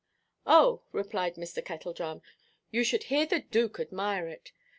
"Oh," replied Mr. Kettledrum, "you should hear the Dook admire it.